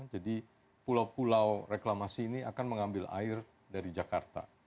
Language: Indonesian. jadi pulau pulau reklamasi ini akan mengambil air dari jakarta